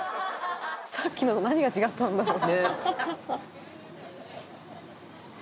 「さっきのと何が違ったんだろう」